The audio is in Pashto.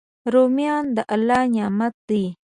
رومیان د الله نعمت دی